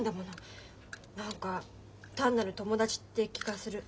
何か単なる友達って気がする。